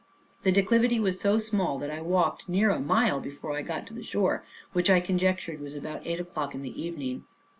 The declivity was so small, that I walked near a mile before I got to the shore, which I conjectured was about eight o'clock in the evening.